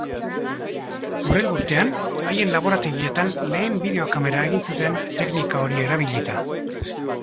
Hurrengo urtean, haien laborategietan lehen bideokamera egin zuten teknika hori erabilita.